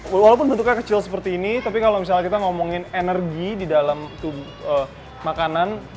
walaupun bentuknya kecil seperti ini tapi kalau misalnya kita ngomongin energi di dalam makanan